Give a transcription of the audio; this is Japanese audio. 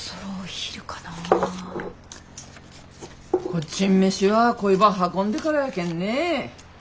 こっちん飯はこいば運んでからやけんね。